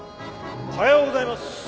・おはようございます！